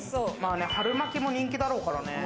春巻きも人気だろうからね。